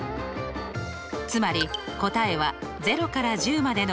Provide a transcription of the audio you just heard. つまり答えは０から１０までの整数。